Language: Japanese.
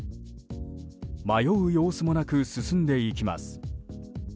迷う様子もなく進んでいきます。